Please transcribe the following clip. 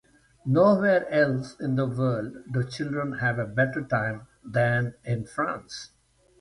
Nowhere else in the world do children have a better time than in France.